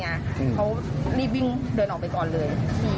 เขารีบวิ่งเดินออกไปก่อนเลย